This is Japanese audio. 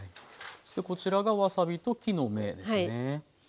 そしてこちらがわさびと木の芽ですね。